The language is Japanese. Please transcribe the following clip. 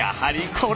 これ。